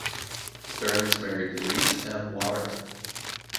Stearns married Louise M. Waterman.